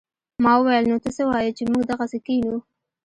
ما وويل نو ته څه وايې چې موږ دغسې کښينو.